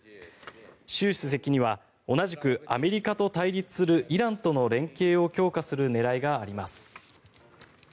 習主席には同じくアメリカと対立するイランとの連携を強化する狙いがあります。